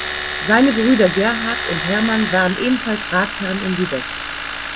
Seine Brüder Gerhard und Hermann waren ebenfalls Ratsherren in Lübeck.